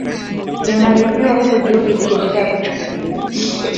zime haribiwa huku juhudi zikiendelea kuchukuliwa